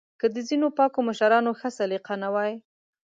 که د ځینو پاکو مشرانو ښه سلیقه نه وای